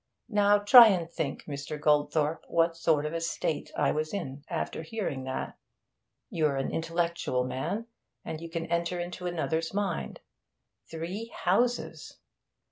Now try and think, Mr. Goldthorpe, what sort of state I was in after hearing that. You're an intellectual man, and you can enter into another's mind. Three houses!